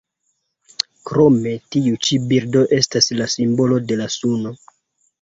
Krome, ĉi tiu birdo estas la simbolo de la suno.